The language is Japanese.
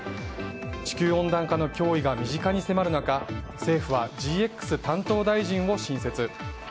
地球温暖化の脅威が身近に迫る中政府はＧＸ担当大臣を新設。